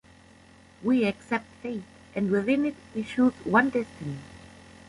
We accept fate and within it we choose one destiny.